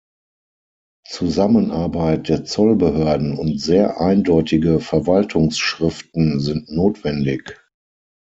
Zusammenarbeit der Zollbehörden und sehr eindeutige Verwaltungsschriften sind notwendig.